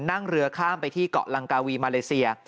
นั่งเรือข้ามไปที่เกาะลังกาวีมาเลเซีย